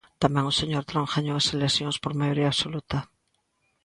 Tamén o señor Trump gañou as eleccións por maioría absoluta.